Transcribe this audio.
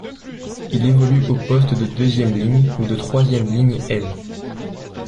Il évolue au poste de deuxième ligne ou de troisième ligne aile.